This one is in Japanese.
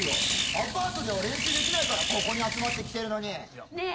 アパートでは練習できないからここに集まってきてるのに！